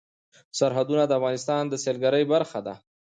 سرحدونه د افغانستان د سیلګرۍ برخه ده.